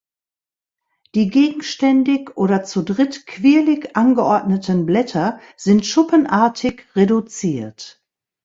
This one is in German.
Die gegenständig oder zu dritt quirlig angeordneten Blätter sind schuppenartig reduziert.